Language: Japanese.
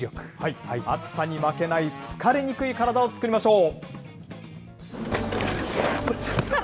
暑さに負けない疲れにくい体を作りましょう。